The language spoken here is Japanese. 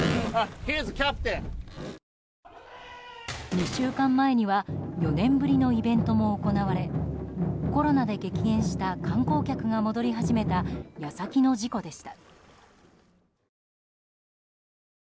２週間前には４年ぶりのイベントも行われコロナで激減した観光客が戻り始めた矢先の事故でした。